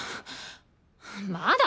まだ！？